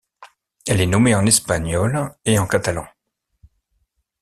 Elle est nommée en espagnol et en catalan.